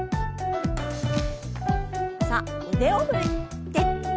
さあ腕を振って。